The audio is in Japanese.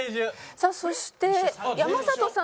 さあそして山里さん